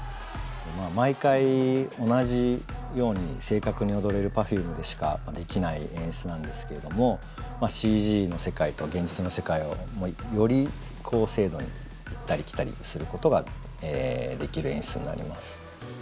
毎回同じように正確に踊れるＰｅｒｆｕｍｅでしかできない演出なんですけれどもＣＧの世界と現実の世界をより高精度に行ったり来たりすることができる演出になります。